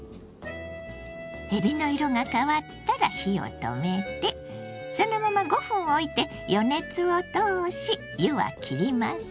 えびの色が変わったら火を止めてそのまま５分おいて余熱を通し湯はきります。